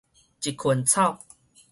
一囷草